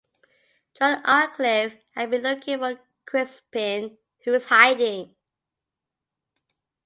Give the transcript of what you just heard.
John Aycliffe had been looking for Crispin, who is hiding.